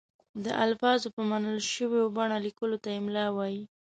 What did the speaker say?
د الفاظو په منل شوې بڼه لیکلو ته املاء وايي.